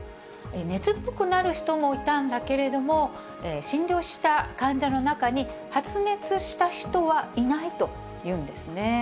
熱っぽくなる人もいたんだけれども、診療した患者の中に発熱した人はいないというんですね。